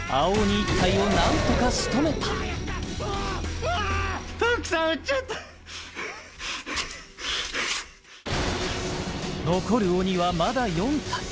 １体を何とか仕留めた残る鬼はまだ４体